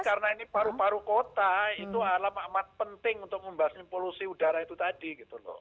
karena ini paru paru kota itu alam amat penting untuk membahasnya polusi udara itu tadi gitu loh